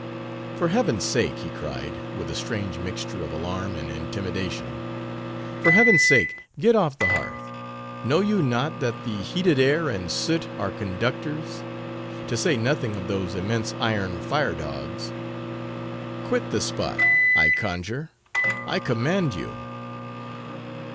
"For Heaven's sake," he cried, with a strange mixture of alarm and intimidation—"for Heaven's sake, get off the hearth! Know you not, that the heated air and soot are conductors;—to say nothing of those immense iron fire dogs? Quit the spot—I conjure—I command you."